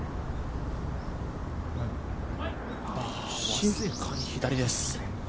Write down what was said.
僅かに左です。